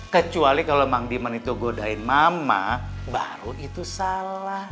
kecuali kalau bang diman itu godain mama baru itu salah